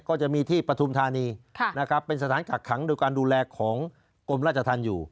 ก็จะมีที่ปฐุมธานีนะครับเป็นสถานกักขังโดยการดูแลของกรมราชธรรมอยู่